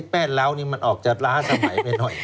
แป้งเหล้านี่มันออกจะล้าสมัยไปหน่อย